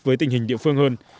với tình hình địa phương hơn